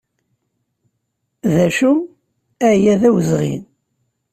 D acu? Aya d awezɣi!